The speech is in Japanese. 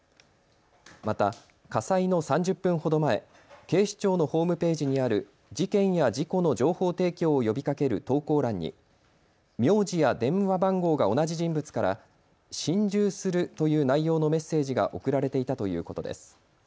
また火災の３０分ほど前、警視庁のホームページにある事件や事故の情報提供を呼びかける投稿欄に名字や電話番号が同じ人物から心中するという内容のメッセージが送られていたということです。